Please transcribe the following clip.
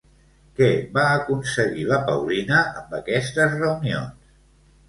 Què va aconseguir la Paulina amb aquestes reunions?